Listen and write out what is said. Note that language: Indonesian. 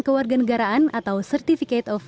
kewarganegaraan atau certificate of